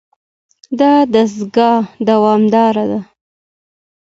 دا دستګاه دوامداره ده.